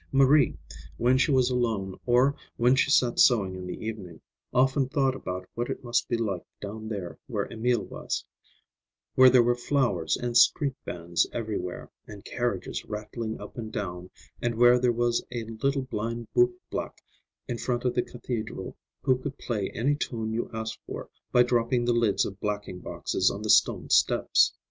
Marie, when she was alone or when she sat sewing in the evening, often thought about what it must be like down there where Emil was; where there were flowers and street bands everywhere, and carriages rattling up and down, and where there was a little blind boot black in front of the cathedral who could play any tune you asked for by dropping the lids of blacking boxes on the stone steps.